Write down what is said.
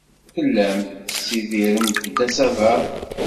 Tellamt tessidiremt-d asaber.